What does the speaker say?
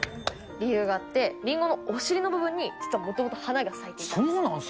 理由があって、りんごのお尻の部分に、もともと花が咲いていたんです。